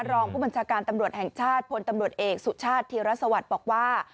รองผู้บัญชาการตำรวจแห่งชาติพลตำรวจเอกสุชาติธีรสวัสดิ์บอกว่า